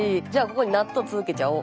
ここに納豆つけちゃおう。